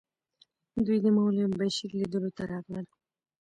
دوی د مولوي بشیر لیدلو ته راغلل.